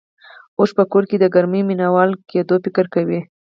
اوښ په کور کې د ګرمۍ مينه وال کېدو فکر کوي.